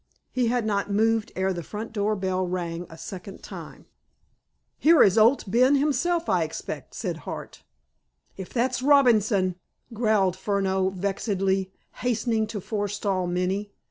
He had not moved ere the front door bell rang a second time. "Here is Owd Ben himself, I expect," said Hart. "If it's that Robinson—" growled Furneaux vexedly, hastening to forestall Minnie.